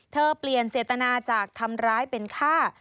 เธอเปลี่ยนเศรษฐนาจากถำร้ายเป็นค่า